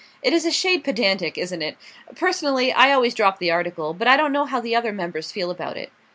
"It is a shade pedantic, isn't it? Personally, I always drop the article; but I don't know how the other members feel about it."